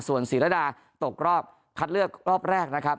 ส่วนศรีรดาตกรอบคัดเลือกรอบแรกนะครับ